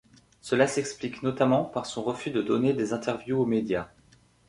Cela s'explique notamment par son refus de donner des interviews aux médias.